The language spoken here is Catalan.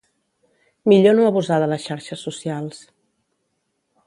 Millor no abusar de les xarxes socials.